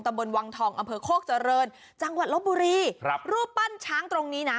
บนวังทองอำเภอโคกเจริญจังหวัดลบบุรีครับรูปปั้นช้างตรงนี้นะ